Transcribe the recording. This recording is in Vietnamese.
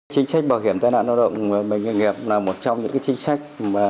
chính trách bảo hiểm tai nạn lao động bệnh ngành nghiệp là một trong những chính trách